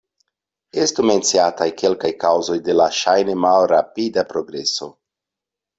Estu menciataj kelkaj kaŭzoj de la ŝajne malrapida progreso.